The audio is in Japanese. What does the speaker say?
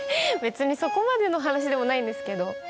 別にそこまでの話でもないんですけど。